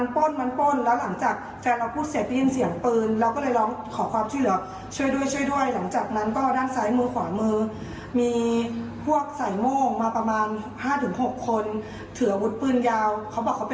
เพื่อช่วยด้วยหลังจากนั้นเขาก็บอกเราว่า